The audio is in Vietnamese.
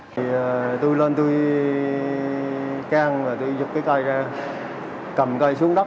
thì tôi lên tôi căng và tôi giúp cái cây ra cầm cây xuống đất